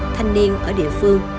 thành niên ở địa phương